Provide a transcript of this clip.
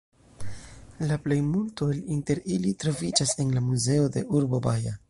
La plejmulto el inter ili troviĝas en la muzeo de urbo Baja.